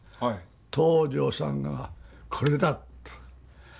東條さんがこれだと。